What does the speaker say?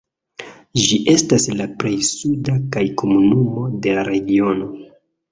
Ĝi estas la plej suda kaj komunumo de la regiono.